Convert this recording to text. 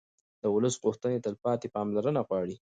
د ولس غوښتنې تلپاتې پاملرنه غواړي